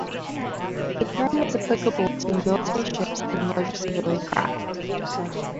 The term is applicable to military ships and larger civilian craft.